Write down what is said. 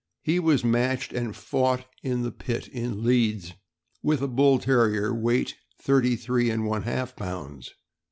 He was matched and fought in the pit, in Leeds, with a Bull Terrier, weight thirty three and one half pounds.